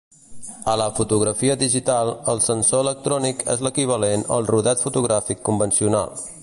A la fotografia digital el sensor electrònic és l'equivalent al rodet fotogràfic convencional.